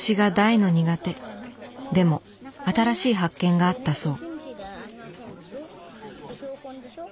でも新しい発見があったそう。